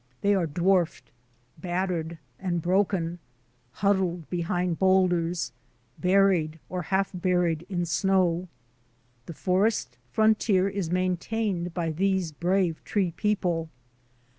They are dwarfed, battered, and broken; huddled behind boulders, buried, or half buried in snow. The forest frontier is maintained by these brave tree people.